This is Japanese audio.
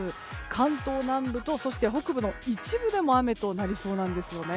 関東南部と北部の一部でも雨となりそうなんですよね。